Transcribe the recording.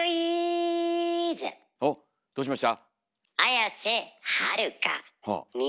おっどうしました？